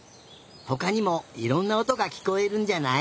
ほかにもいろんなおとがきこえるんじゃない？